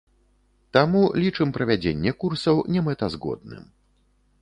Таму лічым правядзенне курсаў немэтазгодным.